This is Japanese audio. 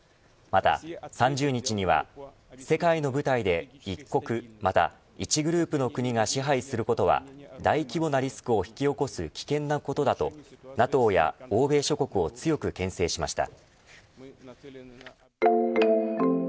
また３０日には世界の舞台で１国また１グループの国が支配することは大規模なリスクを引き起こす危険なことだとＮＡＴＯや欧米諸国を強くけん制しました。